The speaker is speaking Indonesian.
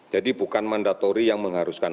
jadi bukan mandatori yang mengharuskan